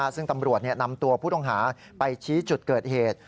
ซึ่งตำรวจนำตัวผู้ต้องหาไปชี้จุดเกิดเหตุ